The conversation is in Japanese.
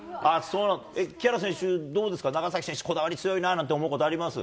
木原選手、どうですか、長崎選手こだわり強いななんて思うことあります？